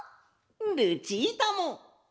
ルチータも！